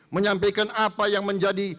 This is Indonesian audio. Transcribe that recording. menyampaikan apa yang menjadi